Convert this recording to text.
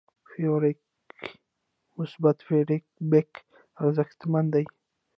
فیور کې مثبت فیډبک ارزښتمن دی.